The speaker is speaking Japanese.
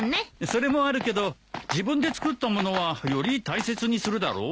それもあるけど自分で作ったものはより大切にするだろ。